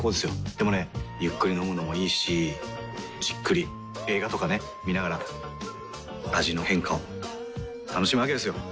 でもねゆっくり飲むのもいいしじっくり映画とかね観ながら味の変化を楽しむわけですよ。